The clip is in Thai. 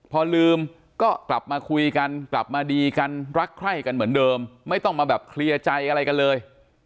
พอลืมก็กลับมาคุยกันกลับมาดีกันรักใคร่กันเหมือนเดิมไม่ต้องมาแบบเคลียร์ใจอะไรกันเลย